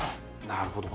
なるほど。